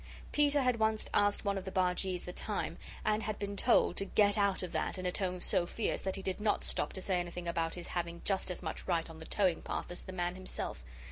Peter had once asked one of the bargees the time, and had been told to "get out of that," in a tone so fierce that he did not stop to say anything about his having just as much right on the towing path as the man himself.